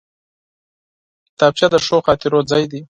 کتابچه د ښو خاطرو ځای دی